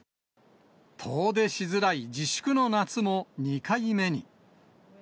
遠出しづらい自粛の夏も２回目に。